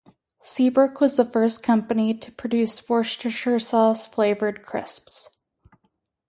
Seabrook was the first company to produce Worcester Sauce flavoured crisps.